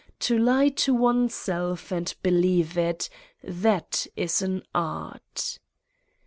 To lie to oneself and believe it that is an art